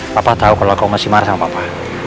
papa tau kalau kau masih marah sama papa